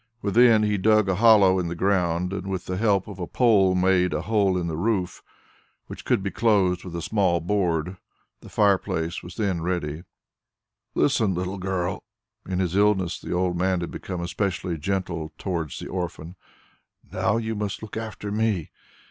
Within, he dug a hollow in the ground, and with the help of a pole made a hole in the roof, which could be closed with a small board. The fire place was then ready. "Listen, little girl." In his illness the old man had become especially gentle towards the orphan. "Now you must look after me.